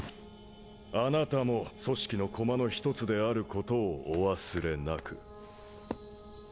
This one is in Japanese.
貴方も組織の駒の一つであることをお忘れなく。